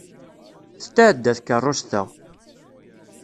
Tetɛedda tkeṛṛust-a!